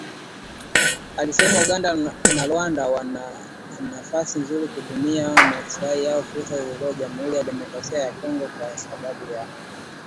alisema Uganda na Rwanda wana nafasi nzuri ya kutumia kwa maslahi yao fursa zilizoko Jamuhuri ya Demokrasia ya Kongo kwa sababu ya